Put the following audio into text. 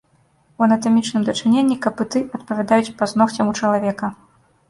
У анатамічным дачыненні капыты адпавядаюць пазногцям у чалавека.